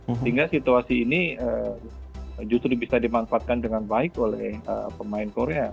sehingga situasi ini justru bisa dimanfaatkan dengan baik oleh pemain korea